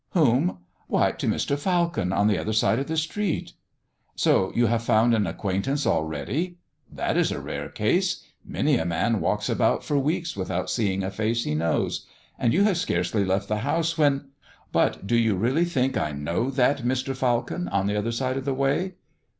"Whom? Why to Mr. Falcon, on the other side of the street." "So you have found an acquaintance already? That is a rare case. Many a man walks about for weeks without seeing a face he knows; and you have scarcely left the house when " "But do you really think I know that Mr. Falcon on the other side of the way?"